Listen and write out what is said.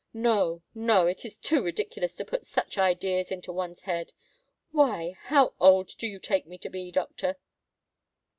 "No—no: it is too ridiculous to put such ideas into one's head! Why—how old do you take me to be, doctor?"